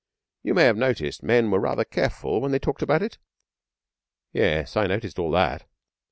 You may have noticed men were rather careful when they talked about it?' 'Yes, I noticed all that.'